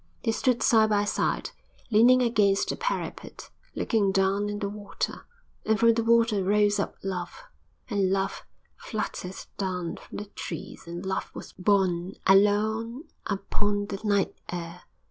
They stood side by side, leaning against the parapet, looking down at the water.... And from the water rose up Love, and Love fluttered down from the trees, and Love was borne along upon the night air.